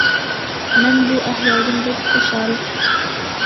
مەن بۇ ئەھۋالدىن بەك خۇشال.